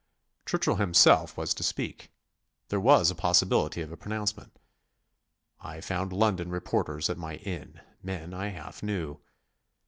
Churchill himself was to speak; there was a possibility of a pronouncement. I found London reporters at my inn, men I half knew.